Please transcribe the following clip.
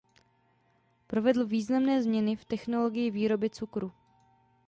Provedl významné změny v technologii výroby cukru.